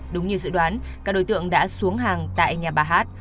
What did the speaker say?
đúng như dự đoán các đối tượng đã xuống hàng tại nhà bà hát